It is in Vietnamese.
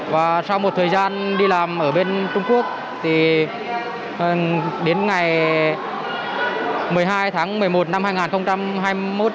và sau một thời gian đi làm ở bên trung quốc đến ngày một mươi hai tháng một mươi một năm hai nghìn hai mươi một